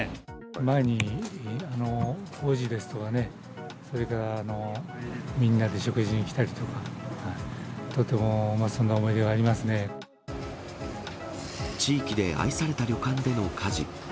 前に法事ですとかね、それからみんなで食事に来たりとか、とてもそんな思い出がありま地域で愛された旅館での火事。